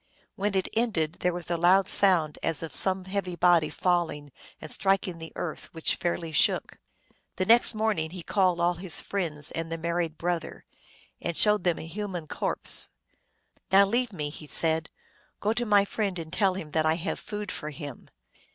When it ended there was a loud sound as of some heavy body falling and striking the earth, which fairly shook. The next morning he called all his friends and the married brother, and showed them a human corpse. "Now leave me," he said. u Go to my friend and tell him that I have food for him."